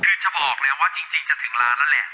คือจะบอกแล้วว่าจริงจะถึงร้านแล้วแหละ